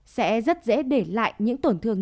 sẽ rất dễ để lại những tổn thương